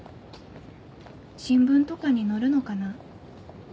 新聞とかに載るのかな？